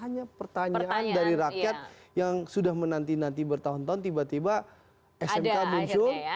hanya pertanyaan dari rakyat yang sudah menanti nanti bertahun tahun tiba tiba smk muncul